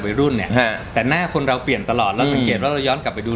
รุ่นเนี่ยฮะแต่หน้าคนเราเปลี่ยนตลอดเราสังเกตว่าเราย้อนกลับไปดู